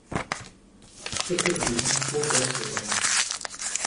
The third reason was racism.